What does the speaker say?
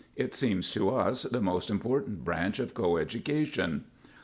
It seems to us the most important branch of co education.